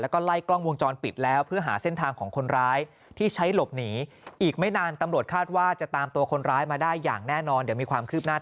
แล้วก็ไล่กล้องวงจรปิดแล้ว